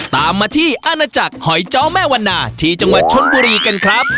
ตามมาที่อาณาจักรหอยจ้อแม่วันนาที่จังหวัดชนบุรีกันครับ